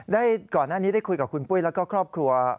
ก่อนหน้านี้ได้คุยกับคุณปุ้ยแล้วก็ครอบครัว